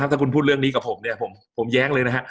ขอโทษถ้าคุณพูดเรื่องนี้กับผมผมแย้งเลยนะฮะ